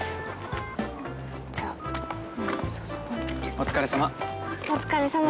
お疲れさま。